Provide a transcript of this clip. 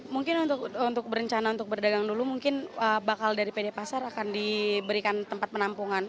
mungkin untuk berencana untuk berdagang dulu mungkin bakal dari pd pasar akan diberikan tempat penampungan